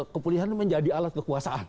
kepulihannya menjadi alat kekuasaan